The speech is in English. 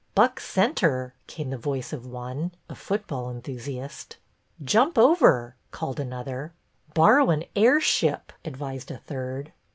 " Buck centre," came the voice of one, a football enthusiast. " Jump over," called another. " Borrow an airship," advised a third.